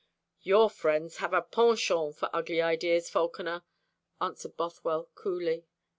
"Your friends have a penchant for ugly ideas, Falconer," answered Bothwell coolly.